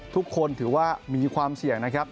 ทุกคนถือว่ามีความเสี่ยงนะครับ